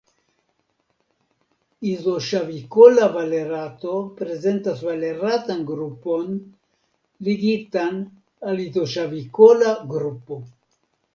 Izoŝavikola valerato prezentas valeratan grupon ligitan al izoŝavikola grupo.